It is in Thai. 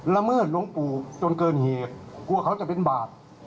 ละเมิดหลวงปู่จนเกินเหตุกลัวเขาจะเป็นบาป